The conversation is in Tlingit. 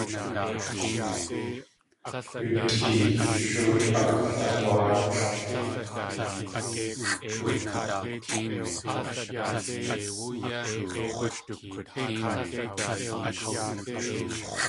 Du tʼeeyshú aklagwáatl.